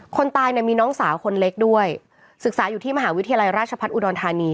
คนตายเนี่ยมีน้องสาวคนเล็กด้วยศึกษาอยู่ที่มหาวิทยาลัยราชพัฒน์อุดรธานี